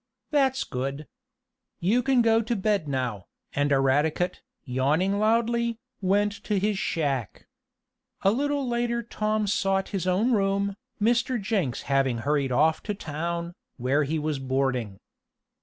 "That's good. You can go to bed now," and Eradicate, yawning loudly, went to his shack. A little later Tom sought his own room, Mr. Jenks having hurried off to town, where he was boarding.